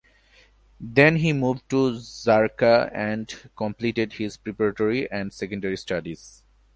Then he moved to "Zarqa" and completed his preparatory and secondary studies.